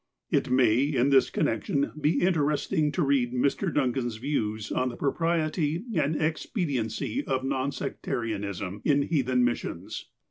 It may, in this connection, be interesting to read Mr. Duncau's views on the propriety and expediency of non sectarianism in heathen missions.